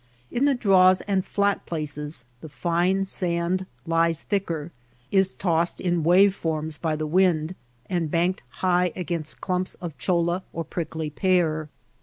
In the draws and flat places the fine sand lies thicker, is tossed in wave forms by the wind, and banked high against clumps of cholla or prickly pear.